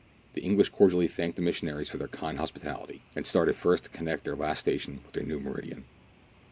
The English cordially thanked the missionaries for their kind hospitality, and started first to connect their last station with their new meridian.